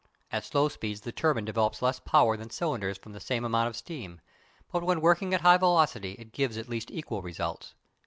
At low speeds the turbine develops less power than cylinders from the same amount of steam, but when working at high velocity it gives at least equal results.